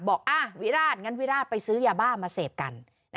บอกวิราชงั้นวิราชไปซื้อยาบ้ามาเสพกัน